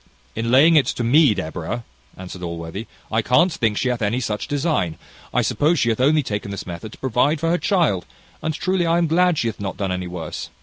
"In laying it to me, Deborah!" answered Allworthy: "I can't think she hath any such design. I suppose she hath only taken this method to provide for her child; and truly I am glad she hath not done worse."